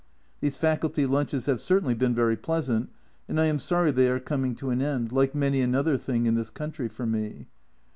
These Faculty lunches have certainly been very pleasant, and I am sorry they are coming to an end, like many another thing in this country for me.